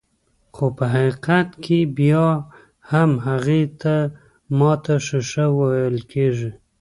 خو په حقيقت کې بيا هم هغې ته ماته ښيښه ويل کيږي.